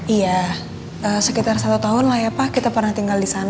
iya sekitar satu tahun lah ya pak kita pernah tinggal di sana